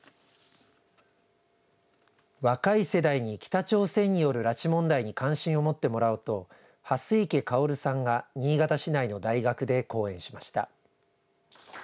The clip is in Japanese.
若い世代に、北朝鮮による拉致問題に関心を持ってもらおうと蓮池薫さんが新潟市内の大学で講演しました。